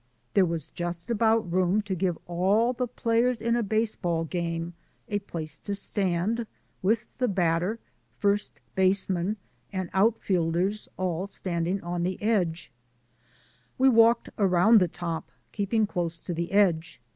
There was just about room to give all the players in a baseball game a place to stand, with the bat ter, first baseman, and out fielders all standing on HARRIET— LITTLE MOUNTAIN CLIMBER 237 the edge. We walked around the top, keeping close to the edge.